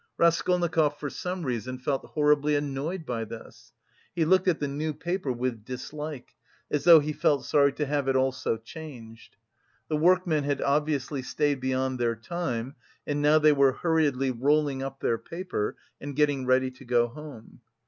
Raskolnikov for some reason felt horribly annoyed by this. He looked at the new paper with dislike, as though he felt sorry to have it all so changed. The workmen had obviously stayed beyond their time and now they were hurriedly rolling up their paper and getting ready to go home.